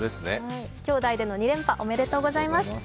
きょうだいでの２連覇おめでとうございます。